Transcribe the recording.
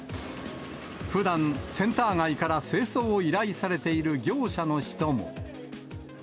ふだん、センター街から清掃を依頼されている業者の人も。